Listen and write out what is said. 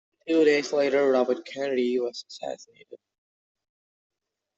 Two days later, Robert Kennedy was assassinated.